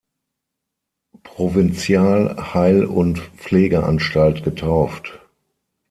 Provinzial Heil- und Pflegeanstalt" getauft.